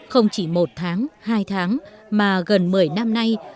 không chỉ một tháng hai tháng mà gần một mươi năm nay